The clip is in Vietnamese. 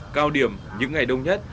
cao điểm những ngày đông nhất